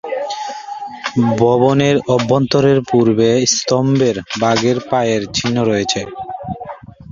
ভবনের অভ্যন্তরের পূর্ব স্তম্ভে বাঘের পায়ের চিহ্ন রয়েছে।